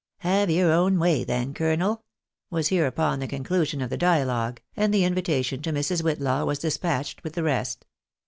" Have your own way, then, colonel," was hereupon the con clusion of the dialogue, and the invitation to Mrs. Whitlaw was despatched with the rest.